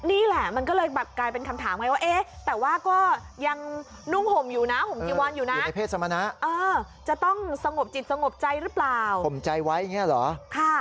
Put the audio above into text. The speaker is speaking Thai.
นี่แหละมันก็เลยกลายเป็นคำถามไงว่า